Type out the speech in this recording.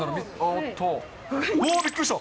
おっと。